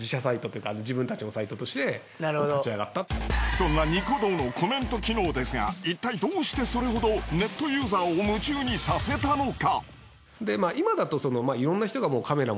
そんなニコ動のコメント機能ですがいったいどうしてそれほどネットユーザーを夢中にさせたのか！？